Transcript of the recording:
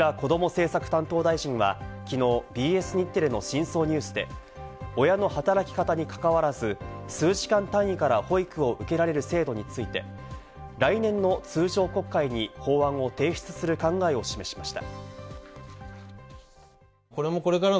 政策担当大臣は昨日、ＢＳ日テレの『深層ＮＥＷＳ』で親の働き方にかかわらず、数時間単位から保育を受けられる制度について来年の通常国会に法案を提出する考えを示しました。